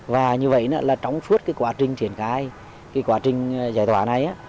và như vậy là trong suốt cái quá trình triển khai cái quá trình giải tỏa này